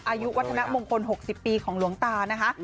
อายุวัฒนมงคล๖๐ปีของหลวงตานะคะ